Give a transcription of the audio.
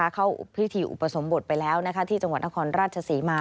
เข้าพิธีอุปสมบทไปแล้วที่จังหวัดนครราชศรีมา